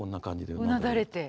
うなだれて。